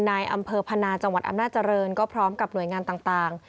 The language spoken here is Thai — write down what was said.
ในอำเภอพนาจังหวัดอำนาจริงก็พร้อมกับหน่วยงานต่าง